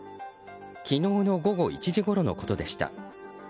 昨日の午後１時ごろのことでした。